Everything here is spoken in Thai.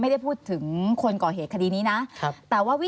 มีครับ